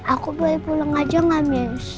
aku balik pulang aja gak miss